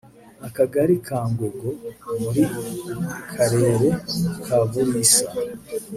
Akagali ka Ngwego muri Karere ka Buliisa